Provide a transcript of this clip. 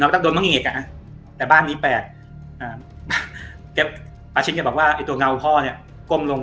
กับตั้งดนตะวิ้งเหอะแต่บ้านนี้แปลกตัวเก๋ทสเดี๋ยวบอกว่าเอาตัวเง้าพ่อเนี่ยก้มลง